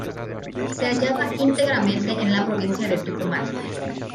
Se hallaba íntegramente en la provincia de Tucumán.